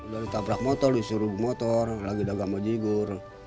dari tabrak motor disuruh motor lagi dagang majigur